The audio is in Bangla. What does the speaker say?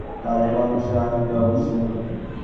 তাঁহাদের তখন তুচ্ছবস্তুতে আনন্দের অবসান ঘটে।